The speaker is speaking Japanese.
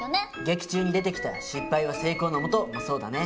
劇中に出てきた「失敗は成功のもと」もそうだね。